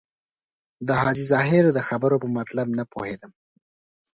د حاجي ظاهر د خبرو په مطلب نه پوهېدم.